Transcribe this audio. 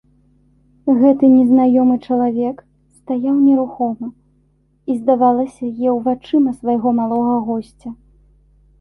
Гэты незнаёмы чалавек стаяў нерухома і, здавалася, еў вачыма свайго малога госця.